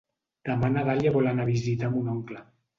Demà na Dàlia vol anar a visitar mon oncle.